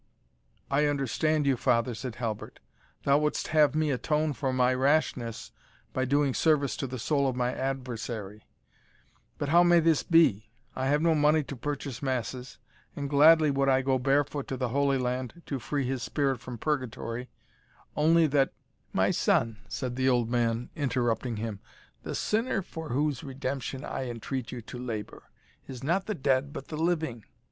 "I understand you, father," said Halbert; "thou wouldst have me atone for my rashness by doing service to the soul of my adversary But how may this be? I have no money to purchase masses, and gladly would I go barefoot to the Holy Land to free his spirit from purgatory, only that " "My son," said the old man, interrupting him, "the sinner for whose redemption I entreat you to labour, is not the dead but the living.